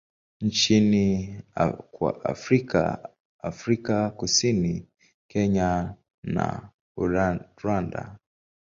nchini kwa Afrika Afrika Kusini, Kenya na Rwanda.